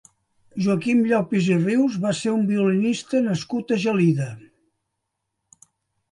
Joaquim Llopis i Rius va ser un violinista nascut a Gelida.